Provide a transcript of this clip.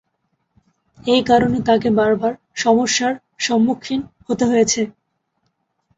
এই কারণে তাকে বারবার সমস্যার সম্মুখীন হতে হয়েছে।